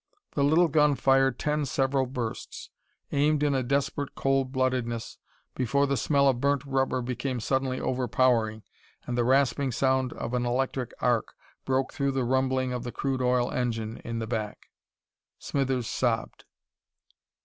The little gun fired ten several bursts, aimed in a desperate cold bloodedness, before the smell of burnt rubber became suddenly overpowering and the rasping sound of an electric arc broke through the rumbling of the crude oil engine in the back. Smithers sobbed.